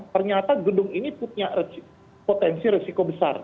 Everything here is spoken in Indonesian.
ternyata gedung ini punya potensi risiko besar